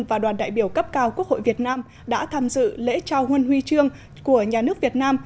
và đoàn đại biểu cấp cao quốc hội việt nam đã tham dự lễ trao huân huy trương của nhà nước việt nam